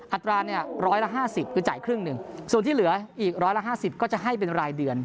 อัตราเนี่ย๑๕๐คือจ่ายครึ่งหนึ่งส่วนที่เหลืออีก๑๕๐ก็จะให้เป็นรายเดือน